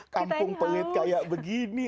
kampung pelit kayak begini